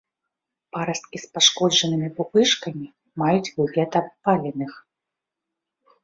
Парасткі з пашкоджанымі пупышкамі маюць выгляд абпаленых.